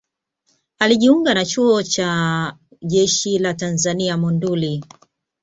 Alijiunga na Chuo cha Chuo cha Jeshi la Tanzania Monduli